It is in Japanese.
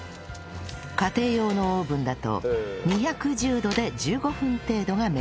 家庭用のオーブンだと２１０度で１５分程度が目安